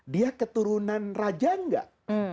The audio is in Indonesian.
dia keturunan raja tidak